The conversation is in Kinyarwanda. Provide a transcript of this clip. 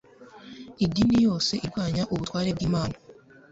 Idini yose irwanya ubutware bw'Imana,